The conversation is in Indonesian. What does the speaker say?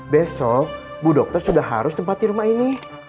besok bu dokter sudah harus tempati rumah ini